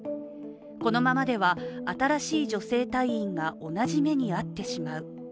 このままでは新しい女性隊員が同じ目に遭ってしまう。